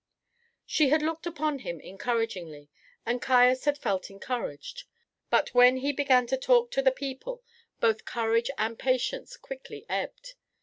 She had looked upon him encouragingly, and Caius had felt encouraged; but when he began to talk to the people, both courage and patience quickly ebbed.